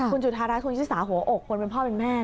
คุณจุธารัฐคุณชิสาหัวอกคนเป็นพ่อเป็นแม่